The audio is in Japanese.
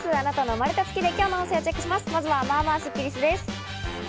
まずは、まあまあスッキりすです。